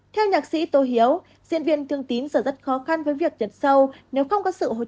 theo nhạc sĩ tô hiếu diễn viên thương tín sở rất khó khăn với việc nhận sâu nếu không có sự hỗ trợ